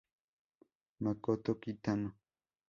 Makoto Kitano